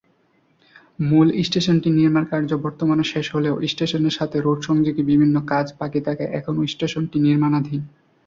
মূল স্টেশনটির নির্মাণকার্য বর্তমানে শেষ হলেও স্টেশনের সাথে রোড-সংযোগী বিভিন্ন কাজ বাকি থাকায় এখনও স্টেশনটি নির্মাণাধীন।